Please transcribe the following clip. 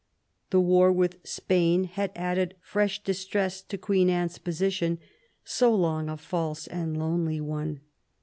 The war with Spain had added fresh distress to Queen Anne's position, so long a false and lonely one.